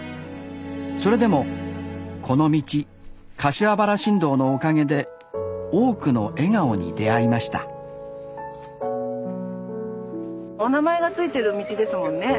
それでもこの道柏原新道のおかげで多くの笑顔に出会いましたお名前が付いてる道ですもんね。